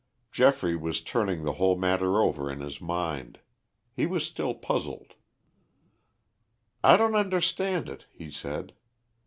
Geoffrey was turning the whole matter over in his mind. He was still puzzled. "I don't understand it," he said.